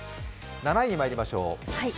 ７位にまいりましょう。